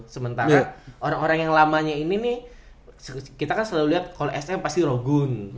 sementara orang orang yang lamanya ini nih kita kan selalu lihat kalau stm pasti rogung